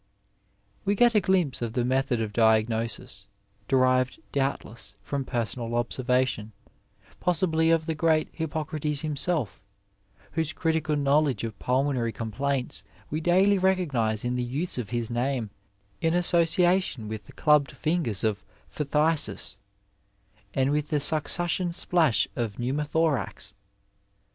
We get a g^pse of the method of diagnosis, derived doubtless from personal observation, possibly of the great Hippocrates himself, whose critical knowledge of pulmo nary c(»nplaints we daily recognize in the use of his name in association with the clubbed fingers of phthisis, and with the succussion splash of pneumo thorax.